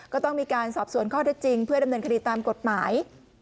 ก็ต้องมีการสอบสวนข้อเท็จจริงเพื่อดำเนินคดีตามกฎหมาย